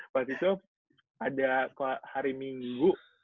waktu itu ada hari minggu